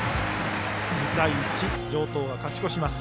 ２対１と城東が勝ち越します。